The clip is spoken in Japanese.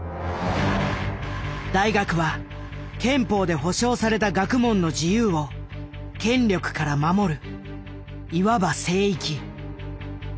大学は憲法で保障された学問の自由を権力から守るいわば聖域。